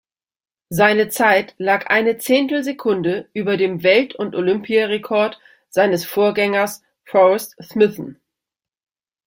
Seine Zeit lag eine Zehntelsekunde über dem Welt- und Olympiarekord seines Vorgängers Forrest Smithson.